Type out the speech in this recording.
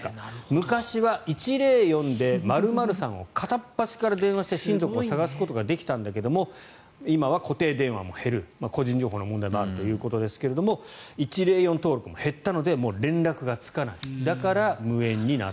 昔は１０４で○○さんを片っ端から電話して親族を探すことができたけど今は固定電話も減る個人情報の問題がということですが１０４登録も減ったので連絡がつかない。